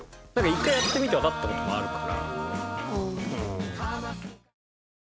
１回やってみてわかった事もあるから。